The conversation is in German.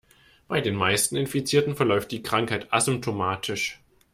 Bei den meisten Infizierten verläuft die Krankheit asymptomatisch.